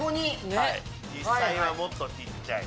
実際はもっと小っちゃい。